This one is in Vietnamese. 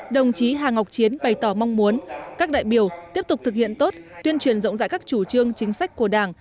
đồng chí hà ngọc chiến bày tỏ mong muốn các đại biểu tiếp tục thực hiện tốt tuyên truyền rộng rãi các chủ trương chính sách của đảng